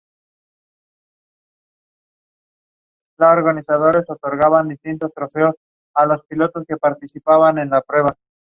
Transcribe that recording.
Se dice que las culturas semíticas son las provenientes de los descendientes de Sem.